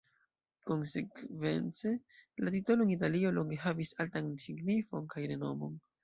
Konsekvence, la titolo en Italio longe havis altan signifon kaj renomon.